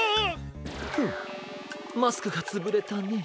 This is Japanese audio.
フンマスクがつぶれたね。